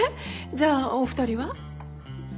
じゃあお二人は？